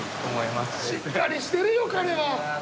しっかりしてるよ彼は。